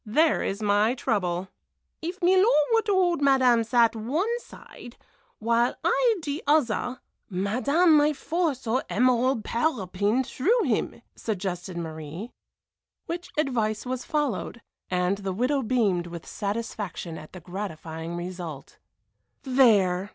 There is my trouble." "If milor were to hold madame's 'at one side, while I de other, madame might force her emerald parrot pin through him," suggested Marie, which advice was followed, and the widow beamed with satisfaction at the gratifying result. "There!"